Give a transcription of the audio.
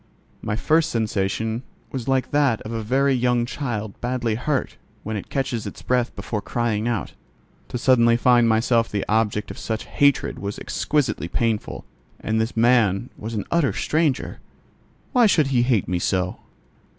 My first sensation was like that of a very young child badly hurt, when it catches its breath before crying out. To suddenly find myself the object of such hatred was exquisitely painful: and this man was an utter stranger. Why should he hate me so?